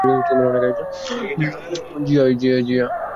তুমি চিপকে নিয়ে আসো, আমি মার্টকে নিয়ে আসছি।